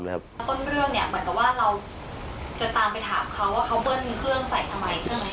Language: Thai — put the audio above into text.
แล้วต้นเรื่องเนี่ยเหมือนกับว่าเราจะตามไปถามเขาว่าเขาเบิ้ลเครื่องใส่ทำไมใช่ไหม